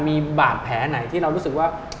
มีบาดแผลไหนที่เรารู้สึกว่า